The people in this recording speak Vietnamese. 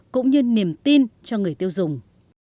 cũng như niềm tin cho người tiêu dùng